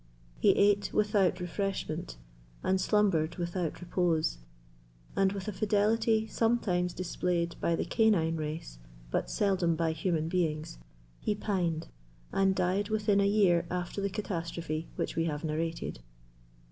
He ate without refreshment, and slumbered without repose; and, with a fidelity sometimes displayed by the canine race, but seldom by human beings, he pined and died within a year after the catastrophe which we have narrated.